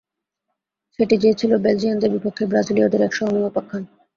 সেটি যে ছিল বেলজিয়ানদের বিপক্ষে ব্রাজিলীয়দের এক স্মরণীয় উপাখ্যান।